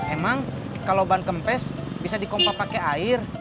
emang kalo ban kempes bisa dikompak pake air